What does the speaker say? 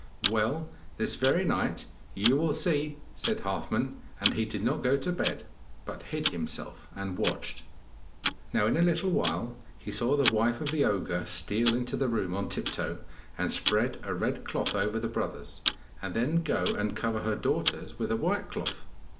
'Well, this very night you will see!' said Halfman. And he did not go to bed, but hid himself and watched. Now in a little while he saw the wife of the ogre steal into the room on tiptoe and spread a red cloth over the brothers and then go and cover her daughters with a white cloth.